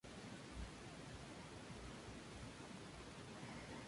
El actual rector es el Arcipreste Mark Shinn.